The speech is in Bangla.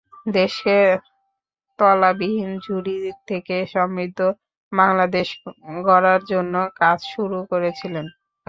দেশকে তলাবিহীন ঝুড়ি থেকে সমৃদ্ধ বাংলাদেশ গড়ার জন্য কাজ শুরু করেছিলেন।